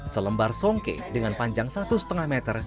selembar songke dengan panjang satu lima meter